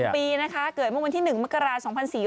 ปีนะคะเกิดเมื่อวันที่๑มกราศ๒๔๙